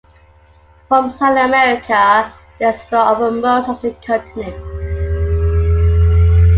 From South America they spread over most of the continent.